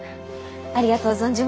ありがとう存じます。